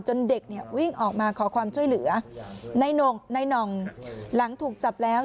จนเด็กวิ่งออกมาขอความช่วยเหลือนายนองหลังถูกจับแล้ว